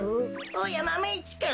おやマメ１くん。